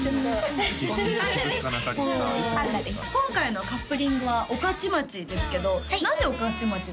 今回のカップリングは「おかちまち」ですけど何で「おかちまち」